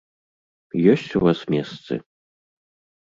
Ёсць у вас месцы?